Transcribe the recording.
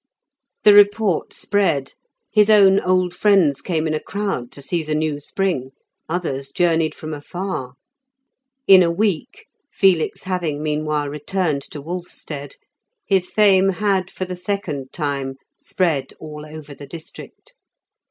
The report spread; his own old friends came in a crowd to see the new spring, others journeyed from afar. In a week, Felix having meanwhile returned to Wolfstead, his fame had for the second time spread all over the district.